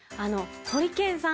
ホリケンさん。